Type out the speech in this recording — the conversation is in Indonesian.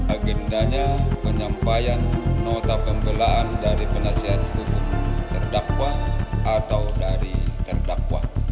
agendanya penyampaian nota pembelaan dari penasihat hukum terdakwa atau dari terdakwa